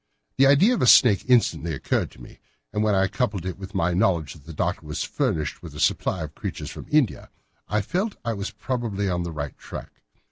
The idea of a snake instantly occurred to me, and when I coupled it with my knowledge that the doctor was furnished with a supply of creatures from India, I felt that I was probably on the right track.